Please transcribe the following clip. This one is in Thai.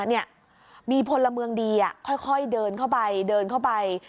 เนี่ยมีพลเมืองดีค่อยเดินเข้าไปเดินเข้าไป